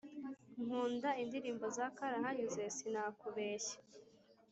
Nkunda indirimbo zakarahanyuze sinakubeshya